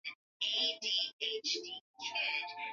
ngalie vijana wetu ambao wanatumia